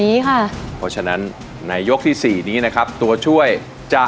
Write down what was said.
มีความรู้สึกว่ามีความรู้สึกว่ามีความรู้สึกว่า